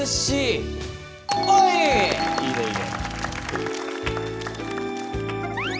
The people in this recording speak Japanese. いいねいいね。